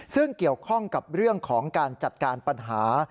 ซึ่งเกี่ยวข้องกับเรื่องของการจัดการปัญหา